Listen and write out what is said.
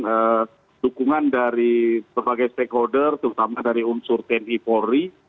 dukungan dari berbagai stakeholder terutama dari unsur tni polri